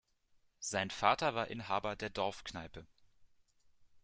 Sein Vater war Inhaber der Dorfkneipe.